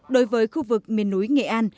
đối với khu vực miền núi nghệ an